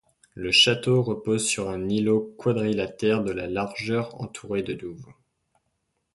Le château repose sur un îlot quadrilatère de de largeur entouré de douves.